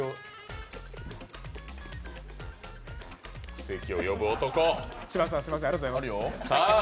奇跡を呼ぶ男。